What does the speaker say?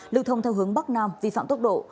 lưu thông theo hướng bắc nam vi phạm tốc độ